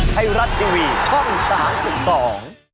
ไทรัตทีวีท่อน๓๒